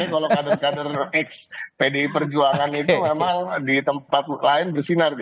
kalau kader kader ex pdi perjuangan itu memang di tempat lain bersinar